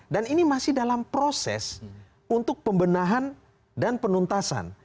dan ini masih dalam proses untuk pembenahan dan penuntasan